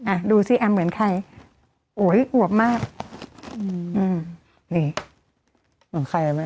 อ่ะดูสิแอมเหมือนใครโอ้ยอวบมากอืมอืมนี่เหมือนใครอ่ะแม่